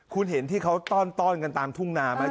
คุณเห็นที่เขาต้อนกันตามทุ่งนาไหม